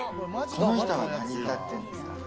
この板は何板っていうんですか？